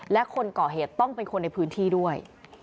และคนก่อเหตุต้องเป็นคนในพื้นที่ด้วย